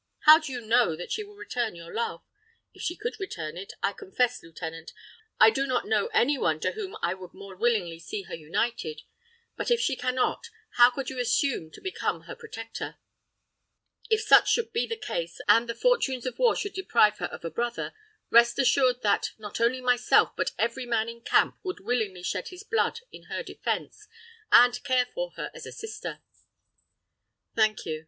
How do you know that she will return your love? If she could return it, I confess, lieutenant, I do not know any one to whom I would more willingly see her united; but, if she can not, how could you assume to become her protector?" "If such should be the case, and the fortunes of war should deprive her of a brother, rest assured that, not only myself, but every man in camp would willingly shed his blood in her defense, and care for her as a sister!" "Thank you.